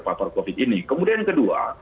ada orang yatuh ke puluh orang lantai